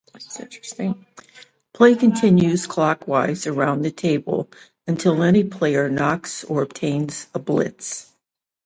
Play continues clockwise around the table until any player knocks or obtains a "blitz".